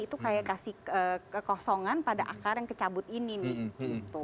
itu kayak kasih kekosongan pada akar yang kecabut ini nih gitu